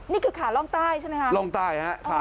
นี่คือขาล่องใต้ใช่ไหมฮะ